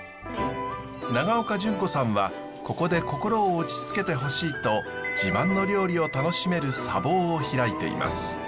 永岡順子さんはここで心を落ち着けてほしいと自慢の料理を楽しめる茶房を開いています。